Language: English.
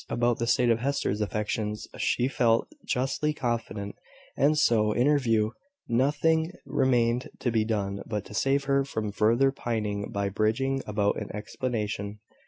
About the state of Hester's affections she felt justly confident; and so, in her view, nothing remained to be done but to save her from further pining by bringing about an explanation.